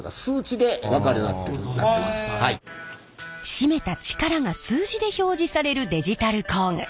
締めた力が数字で表示されるデジタル工具。